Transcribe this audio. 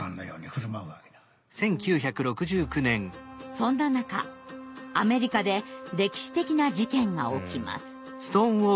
そんな中アメリカで歴史的な事件が起きます。